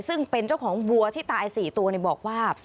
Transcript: ซึ่งเป็นเจ้าของวัวที่ตาย๔ตัวบอกว่า